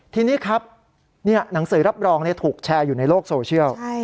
ทีนี้ครับหนังสือรับรองถูกแชร์อยู่ในโลกโซเชียล